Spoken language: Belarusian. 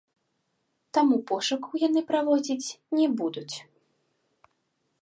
Таму пошукаў яны праводзіць не будуць.